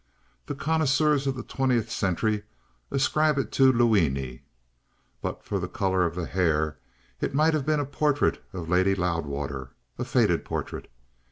The connoisseurs of the twentieth century ascribe it to Luini. But for the colour of the hair it might have been a portrait of Lady Loudwater, a faded portrait.